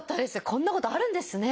こんなことあるんですね。